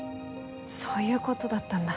そういう事だったんだ。